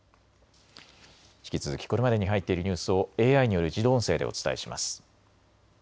引き続きこれまでに入っているニュースをＡＩによる自動音声でお伝えします。